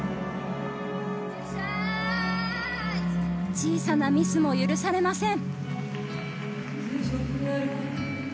小さなミスも許されません。